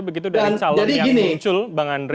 begitu dari calon yang muncul bang andre